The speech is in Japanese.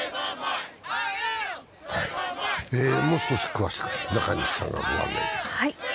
もう少し詳しく中西さんがご案内します。